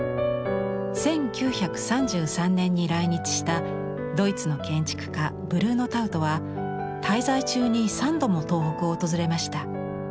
１９３３年に来日したドイツの建築家ブルーノ・タウトは滞在中に３度も東北を訪れました。